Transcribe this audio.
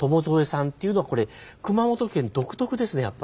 塘添さんっていうのはこれ熊本県独特ですね